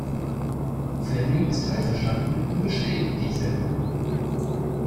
Fleming ist einverstanden und besteht diesen.